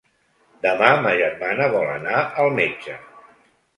Demà ma germana vol anar al metge.